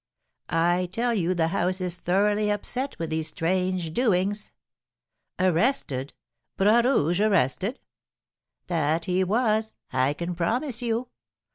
I tell you the house is thoroughly upset with these strange doings." "Arrested! Bras Rouge arrested?" "That he was, I can promise you.